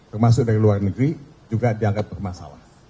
termasuk dari luar negeri juga dianggap bermasalah